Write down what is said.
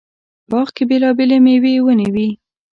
باغ کې بېلابېلې مېوې ونې وې.